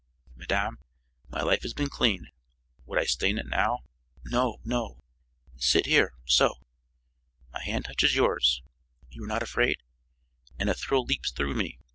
"Madame, my life has been clean. Would I stain it now? No, no! Sit here so! My hand touches yours you are not afraid? and a thrill leaps through me.